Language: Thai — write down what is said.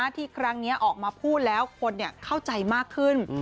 ที่ครั้งนี้ออกมาพูดแล้วคนเข้าใจมากขึ้น